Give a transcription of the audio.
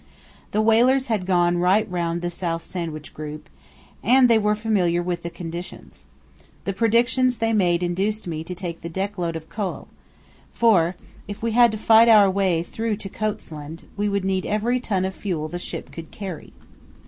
The whalers had gone right round the South Sandwich Group and they were familiar with the conditions. The predictions they made induced me to take the deck load of coal, for if we had to fight our way through to Coats' Land we would need every ton of fuel the ship could carry.